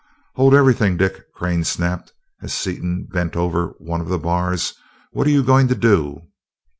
"Hold everything, Dick!" Crane snapped, as Seaton bent over one of the bars. "What are you going to do?"